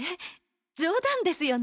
冗談ですよね？